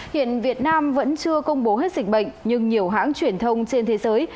hiện việt nam vẫn chưa công bố hết dịch bệnh nhưng nhiều hãng truyền thông trên thế giới